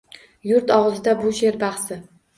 Yurt og’zida bu she’r bahsi